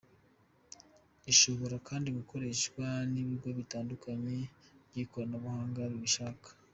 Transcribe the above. Ishobora kandi gukoreshwa n’ibigo bitandukanye by’ikoranabuhanga bibishaka.